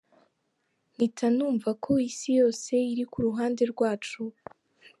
Mpita numva ko Isi yose iri ku ruhande rwacu.